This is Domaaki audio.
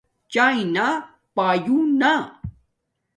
چاݵے نا پایونا